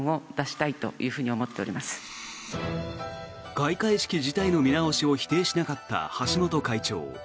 開会式自体の見直しを否定しなかった橋本会長。